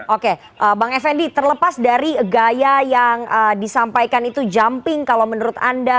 oke bang effendi terlepas dari gaya yang disampaikan itu jumping kalau menurut anda